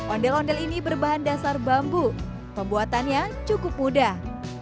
ondel ondel ini berbahan dasar bambu pembuatannya cukup mudah